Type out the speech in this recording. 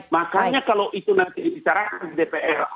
makanya kalau itu nanti ditarahkan ke dpr